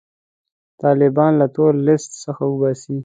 طالبان له تور لیست څخه وباسي.